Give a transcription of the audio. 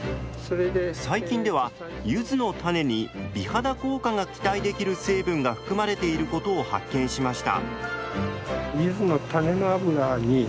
最近ではゆずの種に美肌効果が期待できる成分が含まれていることを発見しました。